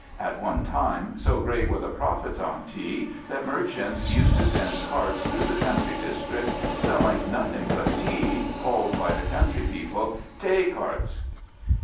At one time, so great were the profits on tea, that merchants used to send carts through the country districts selling nothing but tea, called by the country people "tay carts."